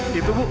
di itu bu